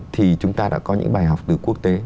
thì chúng ta đã có những bài học từ quốc tế